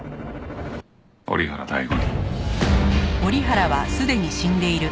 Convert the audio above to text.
折原大吾に。